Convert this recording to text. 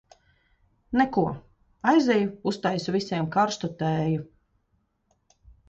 Neko, aizeju uztaisu visiem karstu tēju.